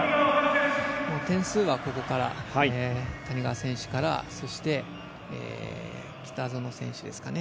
点数はここから谷川選手からそして、北園選手ですかね